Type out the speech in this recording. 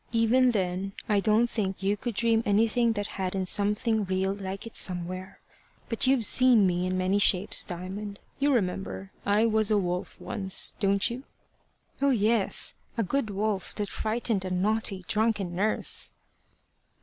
Even then, I don't think you could dream anything that hadn't something real like it somewhere. But you've seen me in many shapes, Diamond: you remember I was a wolf once don't you?" "Oh yes a good wolf that frightened a naughty drunken nurse."